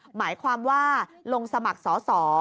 หมายความว่าลงสมัครสอสอ